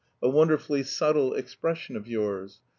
(A wonderfully subtle expression of yours!)